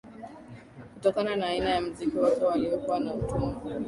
Kutokana na aina ya mziki wake aliokuwa anautunga